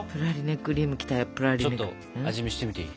ちょっと味見してみていい？